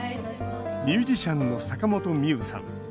ミュージシャンの坂本美雨さん。